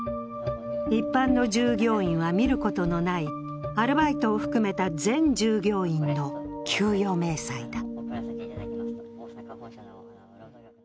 一般の従業員は見ることのないアルバイトを含めた全従業員の給与明細だ。